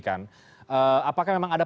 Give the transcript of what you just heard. kan apakah memang ada